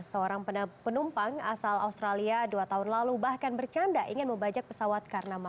seorang penumpang asal australia dua tahun lalu bahkan bercanda ingin membajak pesawat